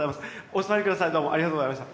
ありがとうございます。